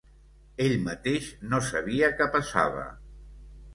Ell mateix no sabia què passava.